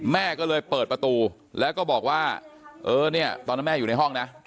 แม่ก็เลยเปิดประตูแล้วก็บอกว่าเออเนี่ยตอนนั้นแม่อยู่ในห้องนะ